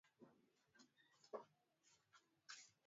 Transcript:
Nyenzo muhimu ya kiuchumi kisiasa na kijamii katika kuboresha maendeleo